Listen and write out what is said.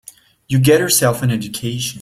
You get yourself an education.